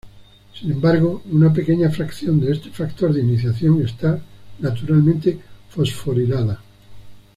Sin embargo, una pequeña fracción de este factor de iniciación está naturalmente fosforilada.